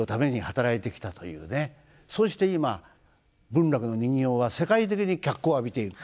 そして今文楽の人形は世界的に脚光を浴びている。